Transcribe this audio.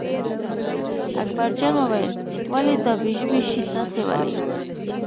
اکبرجان وویل ولې دا بې ژبې شی تاسې ولئ.